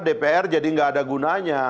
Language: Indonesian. dpr jadi nggak ada gunanya